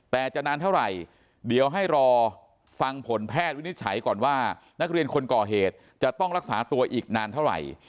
แต่จะนานเท่าไหร่เดี๋ยวให้รอฟังผลแพทย์วินิจฉัยก่อนว่านักเรียนคนก่อเหตุจะต้องรักษาตัวอีกนานเท่าไหร่